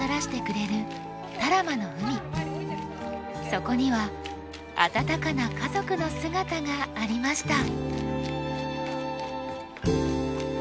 そこには温かな家族の姿がありました。